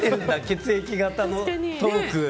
血液型のトーク。